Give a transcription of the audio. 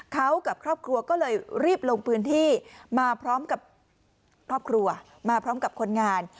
เขากับครอบครัวก็เลยรีบลงพื้นที่มาพร้อมกับครอบครัวมาพร้อมกับคนงาน